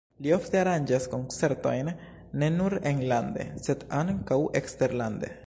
Li ofte aranĝas koncertojn ne nur enlande, sed ankaŭ eksterlande.